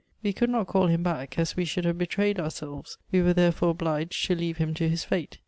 We could not call hinri back, as we should have betrayed our selves ; we were therefore obliged to leave him to nis fiite.